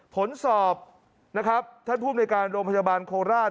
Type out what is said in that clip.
ผลสอบนะครับท่านภูมิในการโรงพยาบาลโคราช